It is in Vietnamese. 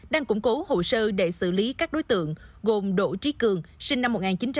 đang củng cố hồ sơ để xử lý các đối tượng gồm đỗ trí cường sinh năm một nghìn chín trăm tám mươi